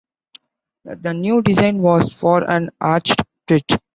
The new design was for an arched bridge.